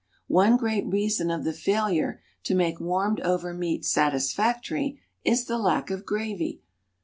One great reason of the failure to make warmed over meat satisfactory is the lack of gravy.